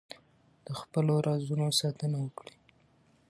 د خپلو رازونو ساتنه وکړئ.